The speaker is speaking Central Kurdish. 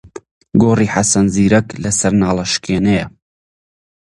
گۆڕی حەسەن زیرەک لەسەر ناڵەشکێنەیە.